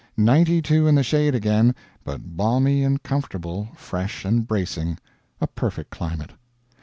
Ninety two in the shade again, but balmy and comfortable, fresh and bracing. A perfect climate.